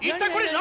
⁉何？